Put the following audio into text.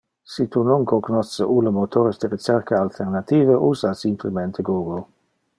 Si tu non cognosce ulle motores de recerca alternative, usa simplemente Google.